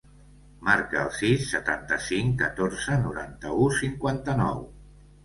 Marca el sis, setanta-cinc, catorze, noranta-u, cinquanta-nou.